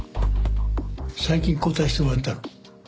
最近交代してもらったの。